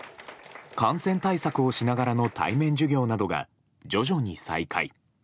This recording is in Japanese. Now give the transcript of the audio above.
感染対策をしながらの対面授業などが徐々に再開。